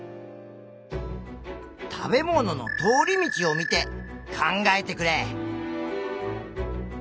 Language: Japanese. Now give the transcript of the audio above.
食べ物の通り道を見て考えてくれ！